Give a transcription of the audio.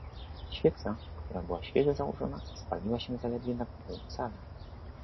"Świeca, która była świeżo założona, spaliła się zaledwie na pół cala."